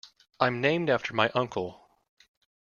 I'm named after my uncle.